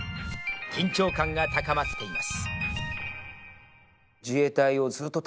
緊張感が高まっています